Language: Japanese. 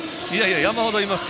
山ほどいます。